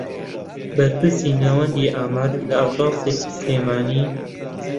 بەرپرسی ناوەندی ئامار لە ئاژانسێکی سلێمانی